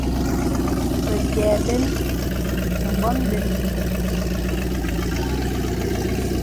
Bəyìɛ bən nə bɔ̄n bən.